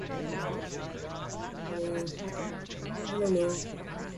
Complicating matters was his relationship with his Aunt Marie.